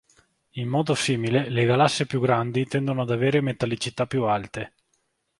In modo simile, le galassie più grandi tendono ad avere metallicità più alte.